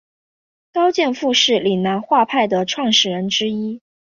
高剑父是岭南画派的创始人之一。